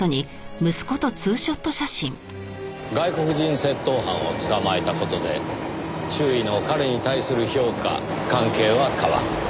外国人窃盗犯を捕まえた事で周囲の彼に対する評価関係は変わった。